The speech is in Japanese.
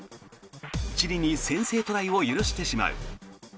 チリに先制トライを許してしまう。